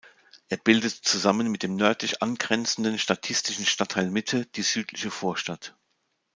Er bildet zusammen mit dem nördlich angrenzenden statistischen Stadtteil Mitte die Südliche Vorstadt.